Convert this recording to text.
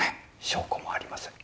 証拠もありません。